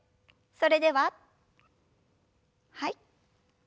それでははい。